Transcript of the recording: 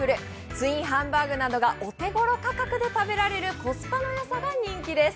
ツインハンバーグなどがお手頃価格で食べられるコスパのよさが人気です。